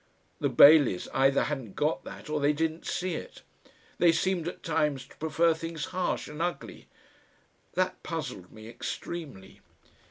The Baileys either hadn't got that or they didn't see it. They seemed at times to prefer things harsh and ugly. That puzzled me extremely.